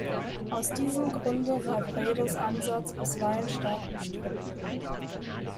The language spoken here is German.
Aus diesem Grunde war Wredes Ansatz bisweilen stark umstritten.